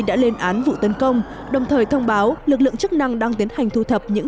đã lên án vụ tấn công đồng thời thông báo lực lượng chức năng đang tiến hành thu thập những